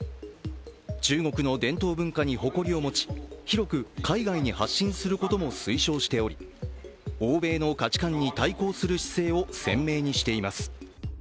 中国の伝統文化に誇りを持ち広く海外に発信することも推奨しており、欧米の価値観に対抗する姿勢を鮮明にしています。